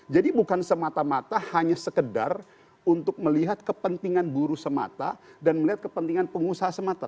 jadi bukan semata mata hanya sekedar untuk melihat kepentingan buruh semata dan melihat kepentingan pengusaha semata